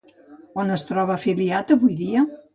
On es troba afiliat avui dia?